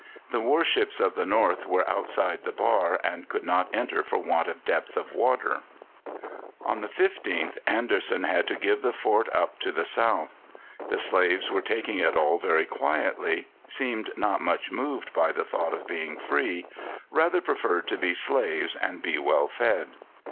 The warships of the North were outside the bar, and could not enter for want of depth of water. On the 15th Anderson had to give the fort up to the South. The slaves were taking it all very quietly, seemed not much moved by the thought of being free rather preferred to be slaves and be well fed.